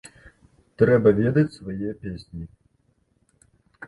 Трэба ведаць свае песні.